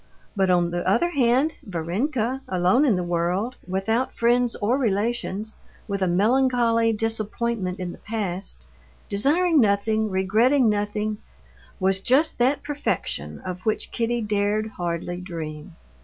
But on the other hand Varenka, alone in the world, without friends or relations, with a melancholy disappointment in the past, desiring nothing, regretting nothing, was just that perfection of which Kitty dared hardly dream.